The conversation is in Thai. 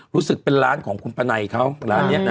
รู้สึกเป็นร้านของคุณปะไนเขาร้านนี้